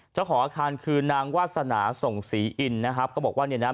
เจ้าของอาคารคือนางวาสนาส่งศรีอินนะครับเขาบอกว่าเนี่ยนะ